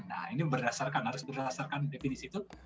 nah ini berdasarkan harus berdasarkan definisi itu